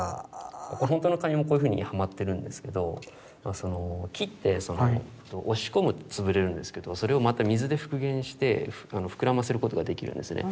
ほんとのカニもこういうふうにはまってるんですけど木って押し込むと潰れるんですけどそれをまた水で復元して膨らませることができるんですね。